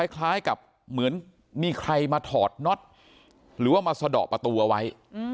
คล้ายกับเหมือนมีใครมาถอดน็อตหรือว่ามาสะดอกประตูเอาไว้